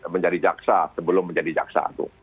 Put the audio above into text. menjadi jaksa sebelum menjadi jaksa agung